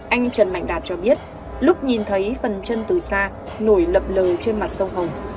anh trần mạnh đạt cho biết lúc nhìn thấy phần chân từ xa nổi lập lờ trên mặt sông hồng